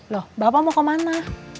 loh bapak mau ke mana